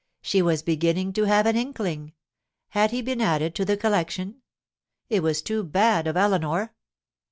She was beginning to have an inkling. Had he been added to the collection? It was too bad of Eleanor!